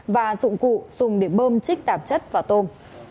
và dụng cụ dùng để bơm trích tạp chất vào tôm